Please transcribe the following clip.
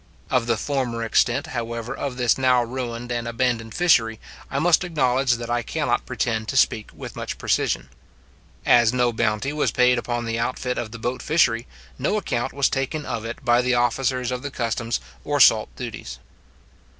Of the former extent, however, of this now ruined and abandoned fishery, I must acknowledge that I cannot pretend to speak with much precision. As no bounty was paid upon the outfit of the boat fishery, no account was taken of it by the officers of the customs or salt duties.